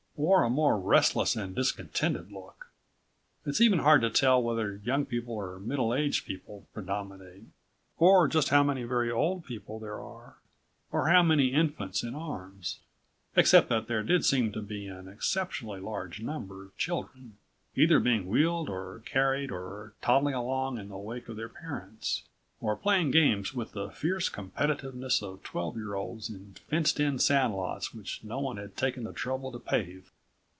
Or a more restless and discontented look. It's even hard to tell whether young people or middle aged people predominate, or just how many very old people there are. Or how many infants in arms, except that there did seem to be an exceptionally large number of children, either being wheeled or carried or toddling along in the wake of their parents, or playing games with the fierce competitiveness of twelve year olds in fenced in sand lots which no one had taken the trouble to pave.